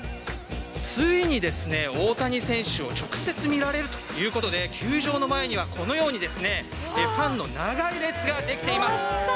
ついにですね、大谷選手を直接見られるということで、球場の前にはこのように、ファンの長い列が出来ています。